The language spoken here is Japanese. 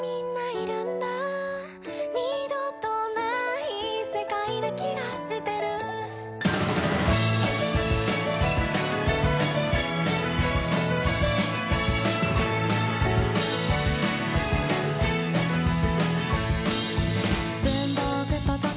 「二度とない世界な気がしてる」「文房具と時計